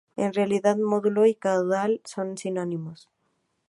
En realidad módulo y caudal son sinónimos.